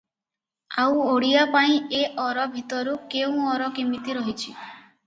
ଆଉ ଓଡ଼ିଆ ପାଇଁ ଏ ଅର ଭିତରୁ କେଉଁ ଅର କେମିତି ରହିଛି ।